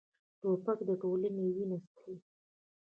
توپک د ټولنې وینه څښي.